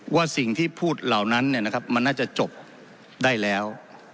ว่าสิ่งที่พูดเหล่านั้นมันน่าจะจบได้แล้ว